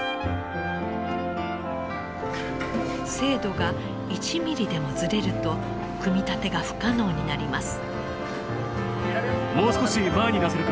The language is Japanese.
精度が１ミリでもずれると組み立てが不可能になります。